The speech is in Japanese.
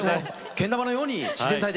けん玉のように自然体で。